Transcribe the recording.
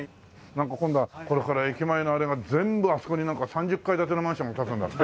なんか今度はこれから駅前のあれが全部あそこに３０階建てのマンションが建つんだって？